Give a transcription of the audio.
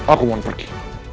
aku mau pergi